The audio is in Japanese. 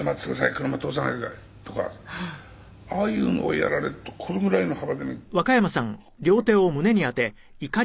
車通さないでくださいとかああいうのをやられるとこのぐらいの幅でねグーッとなってくんのよ」